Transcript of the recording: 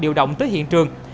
điều động tới hiện trường